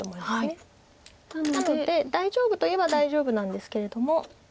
なので大丈夫といえば大丈夫なんですけれども。